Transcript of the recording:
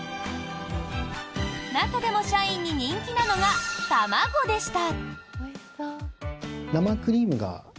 中でも社員に人気なのがたまごでした。